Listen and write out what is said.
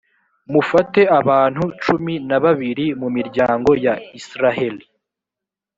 mufate abantu cumi na babiri mu miryango ya israheli.